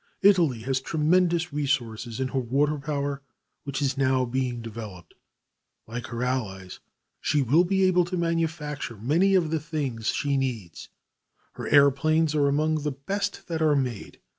Italy has tremendous resources in her water power which is now being developed. Like her allies, she will be able to manufacture many of the things she needs. Her airplanes are among the best that are made.